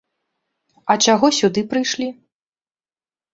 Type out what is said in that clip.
А чаго сюды прыйшлі?